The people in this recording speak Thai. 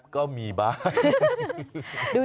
ก็มีบ้าง